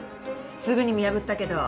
すぐに見破ったけど。